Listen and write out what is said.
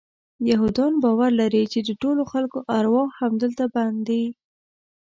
یهودان باور لري چې د ټولو خلکو ارواح همدلته بند دي.